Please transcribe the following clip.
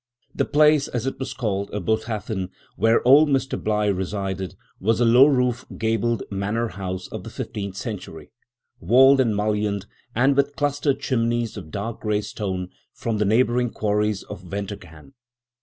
"The Place," as it was called, of Botathen, where old Mr Bligh resided, was a low roofed gabled manor house of the fifteenth century, walled and mullioned, and with clustered chimneys of dark grey stone from the neighbouring quarries of Ventor gan.